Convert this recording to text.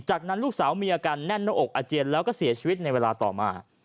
จากนั้นลูกสาวมีอาการแน่นหน้าอกอาเจียนแล้วก็เสียชีวิตในเวลาต่อมา